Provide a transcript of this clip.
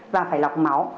và phải lọc máu